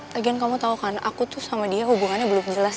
lagian kamu tau kan aku tuh sama dia hubungannya belum jelas